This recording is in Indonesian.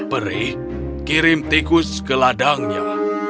perih kirim tikus ke ladangnya